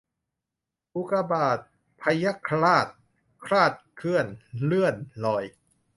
อุกกาบาต พยัคฆราช คลาดเคลื่อน เลื่อนลอย